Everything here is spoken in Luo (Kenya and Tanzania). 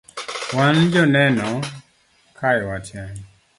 wan joneno kae wate